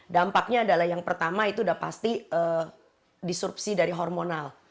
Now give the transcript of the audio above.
dampaknya adalah yang pertama itu sudah pasti disrupsi dari hormonal